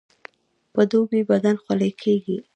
په دوبي بدن خولې کیږي